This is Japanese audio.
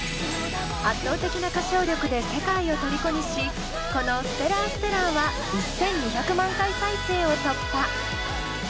圧倒的な歌唱力で世界をとりこにしこの「ＳｔｅｌｌａｒＳｔｅｌｌａｒ」は１，２００万回再生を突破。